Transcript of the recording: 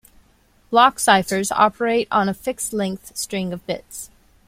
Block ciphers operate on a fixed length string of bits.